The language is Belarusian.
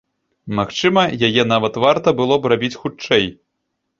Магчыма, яе нават варта было б рабіць хутчэй.